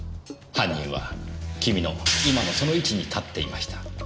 犯人は君の今のその位置に立っていました。